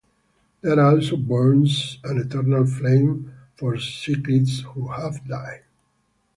There also burns an eternal flame for cyclists who have died.